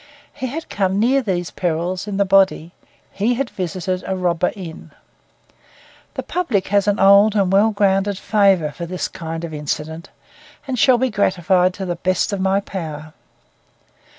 He had come near these perils in the body; he had visited a robber inn. The public has an old and well grounded favour for this class of incident, and shall be gratified to the best of my power.